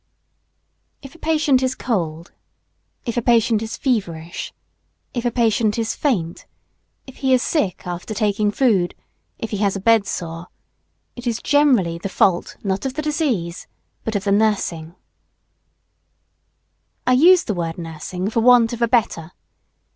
If a patient is cold, if a patient is feverish, if a patient is faint, if he is sick after taking food, if he has a bed sore, it is generally the fault not of the disease, but of the nursing. [Sidenote: What nursing ought to do.] I use the word nursing for want of a better.